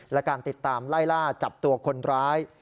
และการติดตามไล่ล่าจับตัวคนร้าย